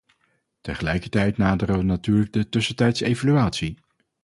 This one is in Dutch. Tegelijkertijd naderen we natuurlijk de tussentijdse evaluatie.